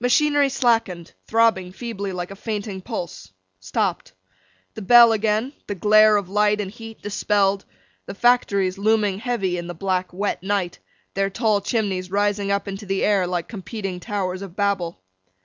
Machinery slackened; throbbing feebly like a fainting pulse; stopped. The bell again; the glare of light and heat dispelled; the factories, looming heavy in the black wet night—their tall chimneys rising up into the air like competing Towers of Babel.